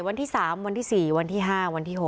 วันที่๓วันที่๔วันที่๕วันที่๖